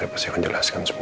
aku masih bercinta sama kamu